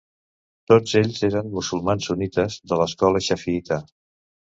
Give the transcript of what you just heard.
Tots ells eren musulmans sunnites de l'escola xafiïta.